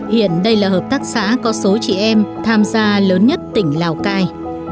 hiện đây là hợp tác xã có số chị em tham gia lớn nhất tỉnh lào cai